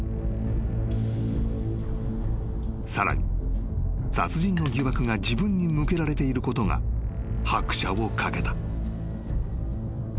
［さらに殺人の疑惑が自分に向けられていることが拍車を掛けた］